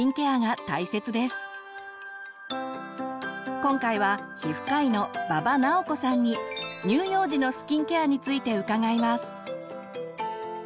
今回は皮膚科医の馬場直子さんに乳幼児のスキンケアについて伺います。